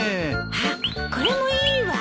あっこれもいいわ。